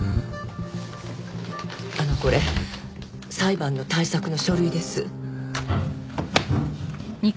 これ裁判の対策の書類です。